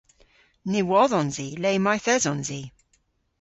Ny wodhons i le mayth esons i.